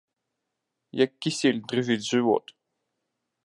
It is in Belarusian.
Як кісель, дрыжыць жывот!